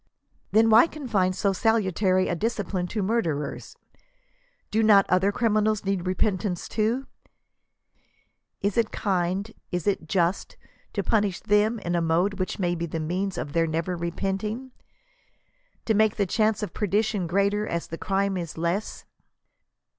19 Then why confine so salutary a discipline to murderers ? Do not j^ther criminals need repentance too ? Is it kind — is it just — ^to punish them in a mode which may be the means of their never repenting? — to make the chance of perdition greater as the crime is less